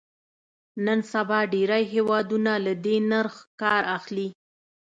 نن سبا ډېری هېوادونه له دې نرخ کار اخلي.